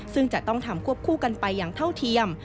ซึ่งจะต้องทำควบคู่กันไปอย่างเท่าเทียม